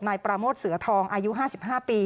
นายปราโมทเสือทองอายุ๕๕ปี